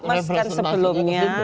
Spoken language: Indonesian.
mas kan sebelumnya